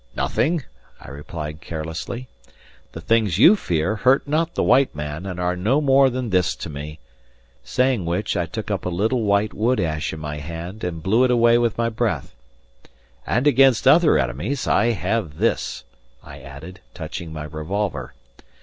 "Nothing," I replied carelessly. "The things you fear hurt not the white man and are no more than this to me," saying which I took up a little white wood ash in my hand and blew it away with my breath. "And against other enemies I have this," I added, touching my revolver.